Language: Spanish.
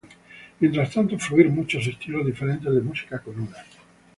Mientras tanto fluir muchos estilos diferentes de música con una.